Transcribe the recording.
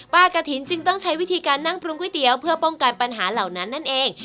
กระถิ่นจึงต้องใช้วิธีการนั่งปรุงก๋วยเตี๋ยวเพื่อป้องกันปัญหาเหล่านั้นนั่นเอง